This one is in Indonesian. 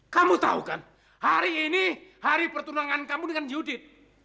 kamu tahu kan hari ini hari pertunangan kamu dengan yudin